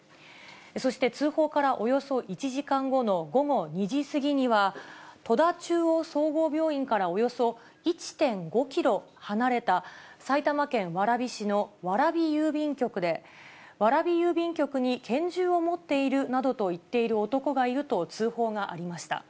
そして通報からおよそ１時間後の午後２時過ぎには、戸田中央総合病院からおよそ１．５キロ離れた埼玉県蕨市の蕨郵便局で、蕨郵便局に拳銃を持っているなどと言っている男がいると通報がありました。